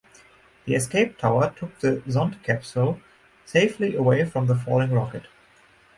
The escape tower took the Zond capsule safely away from the falling rocket.